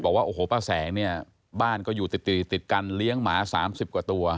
บอกว่าโอ้โหป้าแสงเนี่ยบ้านก็อยู่ติดกันเลี้ยงหมา๓๐กว่าตัว